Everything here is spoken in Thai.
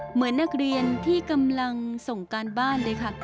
เหมือนนักเรียนที่กำลังส่งการบ้านเลยค่ะ